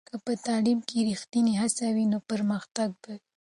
که په تعلیم کې ریښتینې هڅه وي، نو پرمختګ به وي.